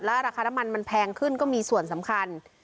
ราคาน้ำมันมันแพงขึ้นก็มีส่วนสำคัญ